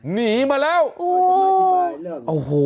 หนีมาแล้วโอ้โห